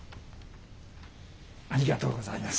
ありがとうございます。